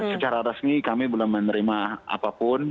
secara resmi kami belum menerima apapun